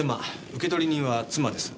受取人は妻です。